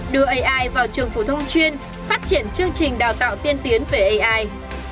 đưa ai vào trường phổ thông chuyên phát triển chương trình đào tạo tiên tiến về ai